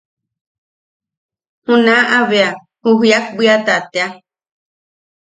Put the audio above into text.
Junaʼa bea ju Jiak Bwiata tea.